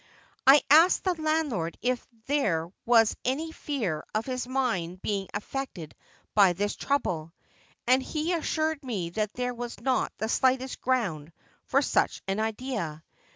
' I asked the landlord if there was any fear of his mind being affected by this trouble, and he assured me that there was not the slightest ground for such an idea.